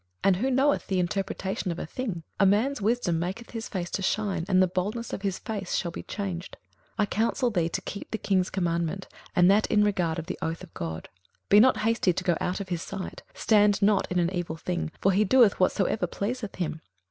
and who knoweth the interpretation of a thing? a man's wisdom maketh his face to shine, and the boldness of his face shall be changed. 21:008:002 I counsel thee to keep the king's commandment, and that in regard of the oath of God. 21:008:003 Be not hasty to go out of his sight: stand not in an evil thing; for he doeth whatsoever pleaseth him.